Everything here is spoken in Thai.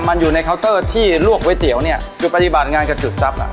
มันอยู่ในเคาน์เตอร์ที่ลวกก๋วยเตี๋ยวเนี่ยจุดปฏิบัติงานกับจุดทรัพย์อ่ะ